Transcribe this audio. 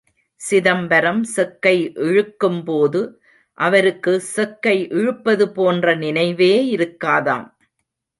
சிதம்பரம் செக்கை இழுக்கும் போது, அவருக்கு செக்கை இழுப்பது போன்ற நினைவே இருக்காதாம்.